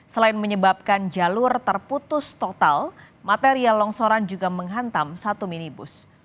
selain menyebabkan jalur terputus total material longsoran juga menghantam satu minibus